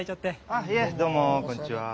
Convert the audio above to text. あっいえどうもこんにちは。